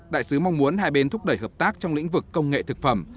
đại sứ mong muốn hai bên thúc đẩy hợp tác trong lĩnh vực công nghệ thực phẩm